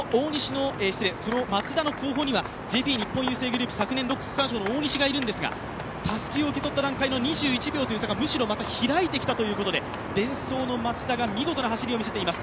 その松田の後方にはＪＰ日本郵政グループ、昨年６区区間賞の大西がいるんですが、たすきを受け取った段階の２１秒がむしろまた開いてきたということで、デンソーの松田が見事な走りを見せています。